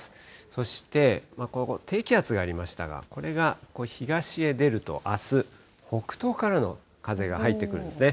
そして、低気圧がありましたが、これが東へ出ると、あす、北東からの風が入ってくるんですね。